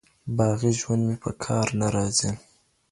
باغي ژوند مي په کار نه راځي